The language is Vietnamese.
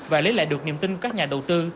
và lấy lại được niềm tin của các nhà đầu tư